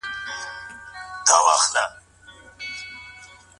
واجب طلاق څه ډول طلاق ته ويل کيږي؟